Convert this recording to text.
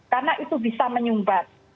karena itu bisa menyumbat